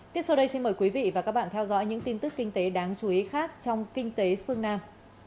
tiếp sau đây xin mời quý vị và các bạn theo dõi những tin tức kinh tế đáng chú ý khác trong kinh tế phương nam